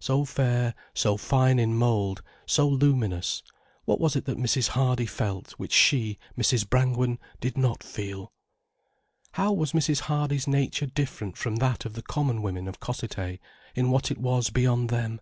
So fair, so fine in mould, so luminous, what was it that Mrs. Hardy felt which she, Mrs. Brangwen, did not feel? How was Mrs. Hardy's nature different from that of the common women of Cossethay, in what was it beyond them?